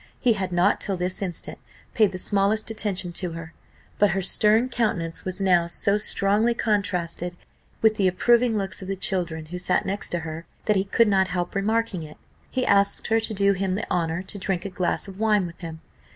He had not, till this instant, paid the smallest attention to her; but her stern countenance was now so strongly contrasted with the approving looks of the children who sat next to her, that he could not help remarking it. He asked her to do him the honour to drink a glass of wine with him.